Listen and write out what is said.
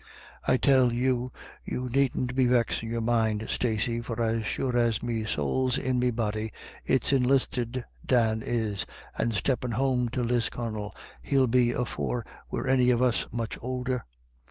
I tell you you needn't be vexin' your mind, Stacey, for as sure as me sowl's in me body it's enlisted Dan is, and steppin' home to Lis connel hell be afore we're any of us much oulder.